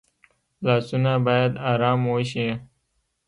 لاسونه باید آرام وشي